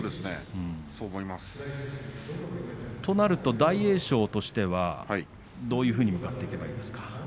大栄翔としてはどういうふうに向かっていけばいいですか。